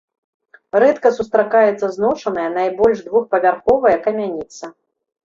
Рэдка сустракаецца зношаная, найбольш двухпавярховая камяніца.